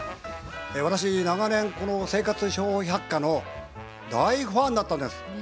私長年この「生活笑百科」の大ファンだったんです。